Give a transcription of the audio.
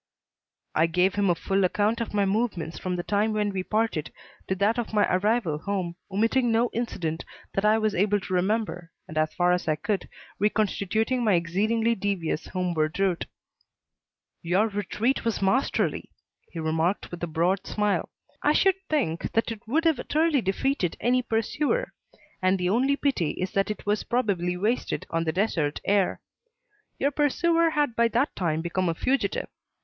I gave him a full account of my movements from the time when we parted to that of my arrival home, omitting no incident that I was able to remember and, as far as I could, reconstituting my exceedingly devious homeward route. "Your retreat was masterly," he remarked with a broad smile. "I should think that it would have utterly defeated any pursuer; and the only pity is that it was probably wasted on the desert air. Your pursuer had by that time become a fugitive.